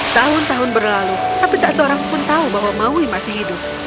tahun tahun berlalu tapi tak seorang pun tahu bahwa maui masih hidup